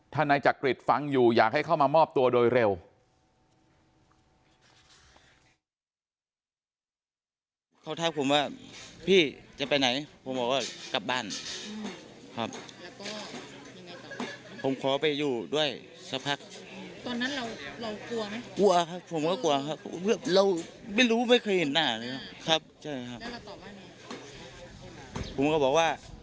ถ้านายจักริตฟังอยู่อยากให้เข้ามามอบตัวโดยเร็ว